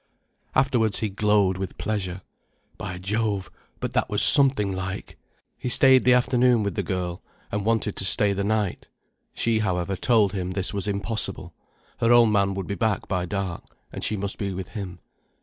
Afterwards he glowed with pleasure. By Jove, but that was something like! He [stayed the afternoon with the girl, and] wanted to stay the night. She, however, told him this was impossible: her own man would be back by dark, and she must be with him.